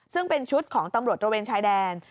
ซึ่งเป็นชุดของตำรวจตระเวนชายแดน